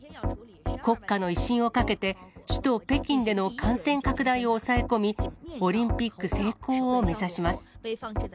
国家の威信をかけて、首都北京での感染拡大を抑え込み、オリンピック成功を目指します。